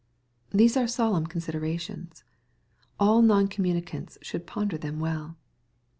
These are solemn considerations. All non communicants should ponder them well.